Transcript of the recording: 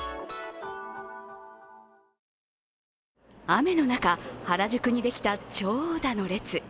雨の中、原宿にできた長蛇の列。